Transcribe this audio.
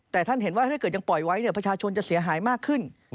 แต่ท่านเห็นว่าถ้าเกิดยังปล่อยไว้ประชาชนจะเสียหายมากขึ้น